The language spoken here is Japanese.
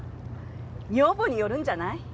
女房によるんじゃない。